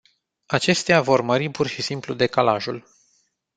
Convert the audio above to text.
Acestea vor mări pur și simplu decalajul.